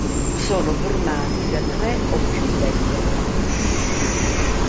Sono formati da tre o più lettere.